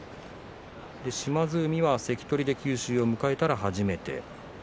島津海は関取で九州を迎えたら初めてです。